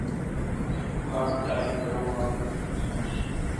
Clarke died in Little Rock, Arkansas.